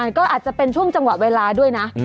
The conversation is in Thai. ก็อาจจะเป็นช่วงจังหวะเวลาด้วยนะ